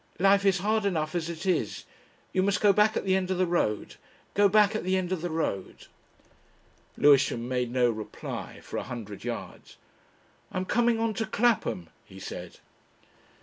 Life is hard enough as it is ... You must go back at the end of the road. Go back at the end of the road ..." Lewisham made no reply for a hundred yards. "I'm coming on to Clapham," he said.